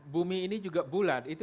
bumi ini juga bulat